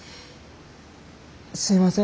すいません。